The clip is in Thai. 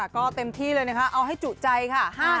ก็เต็มที่เลยนะคะเอาให้จุใจค่ะ